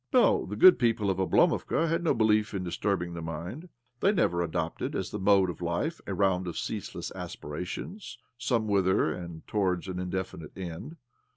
No, the good folk of [ Oblomovka had no belief in disturbing the j mind ; they never adopted as their mode | of life a round of ceaseless aspirations some | whither, and towards an indefinite end.